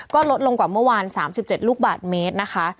ก็ลดลงกว่าเมื่อวาน๓๗ลูกบาทเมตรนะคะ